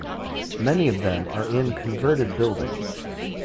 Many of them are in converted buildings.